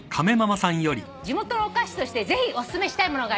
「地元のお菓子としてぜひお薦めしたいものがあります」